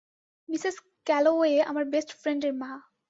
Mrs Calloway আমার বেস্টফ্রেন্ডের মা।